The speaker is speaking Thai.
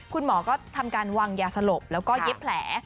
คุณหมอก็ทำการวางยาสลบแล้วก็เย็บแผล